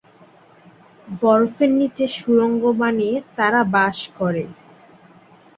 বরফের নিচে সুড়ঙ্গ বানিয়ে তারা বাস করে।